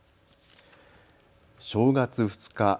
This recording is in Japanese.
正月２日。